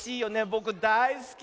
ぼくだいすき。